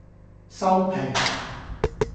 收皮